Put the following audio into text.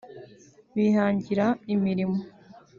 bihangira imirimo